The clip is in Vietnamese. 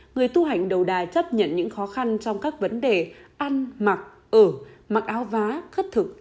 người tu hành đầu đà chấp nhận những khó khăn trong các vấn đề ăn mặc ở mặc áo vá kh khất thực